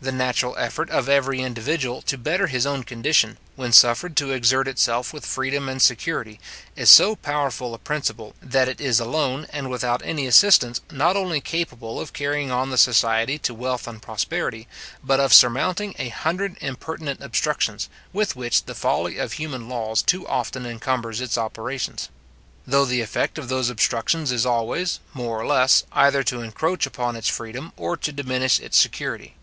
The natural effort of every individual to better his own condition, when suffered to exert itself with freedom and security, is so powerful a principle, that it is alone, and without any assistance, not only capable of carrying on the society to wealth and prosperity, but of surmounting a hundred impertinent obstructions, with which the folly of human laws too often encumbers its operations: though the effect of those obstructions is always, more or less, either to encroach upon its freedom, or to diminish its security.